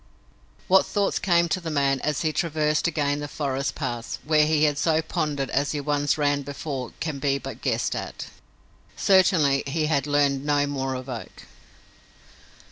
What thoughts came to the man as he traversed again the forest paths where he had so pondered as he once ran before can be but guessed at. Certainly he had learned no more of Oak.